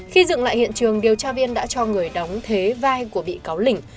khi dựng lại hiện trường điều tra viên đã cho người đóng thế vai của bị cáo lình